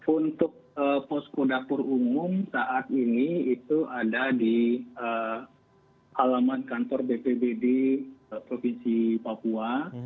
untuk posko dapur umum saat ini itu ada di halaman kantor bpbd provinsi papua